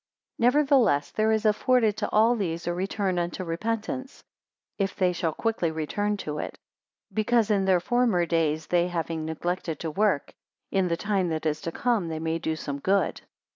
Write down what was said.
191 Nevertheless there is afforded to all these a return unto repentance, if they shall quickly return to it; because in their former days they having neglected to work, in the time that is to come they may do some good.